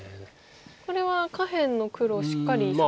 これは下辺の黒をしっかりさせたい？